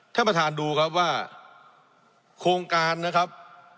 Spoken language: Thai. ท่านประธานดูครับว่าโครงการนะครับ